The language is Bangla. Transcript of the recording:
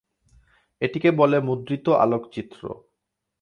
এটিকে বলে মুদ্রিত আলোকচিত্র।